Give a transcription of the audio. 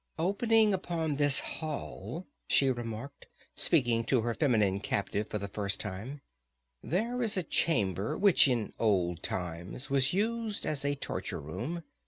"Opening upon this hall," she remarked, speaking to her feminine captive for the first time, "there is a chamber which in old times was used as a torture room.